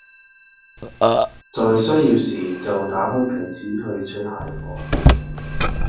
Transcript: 在需要時就打開瓶子去取下一夥